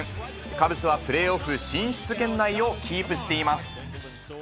カブスはプレーオフ進出圏内をキープしています。